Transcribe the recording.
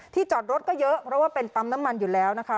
จอดรถก็เยอะเพราะว่าเป็นปั๊มน้ำมันอยู่แล้วนะคะ